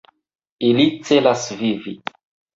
Ili celas vivi.